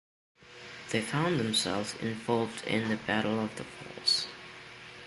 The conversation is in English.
They found themselves involved in the "Battle of the Falls".